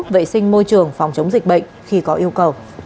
vệ sinh môi trường phòng chống dịch bệnh khi có yêu cầu